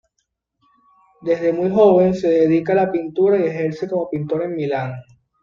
Desde muy joven se dedica a la pintura y ejerce como pintor en Milán.